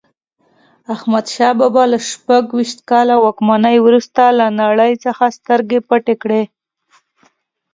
احمدشاه بابا له شپږویشت کاله واکمنۍ وروسته له نړۍ څخه سترګې پټې کړې.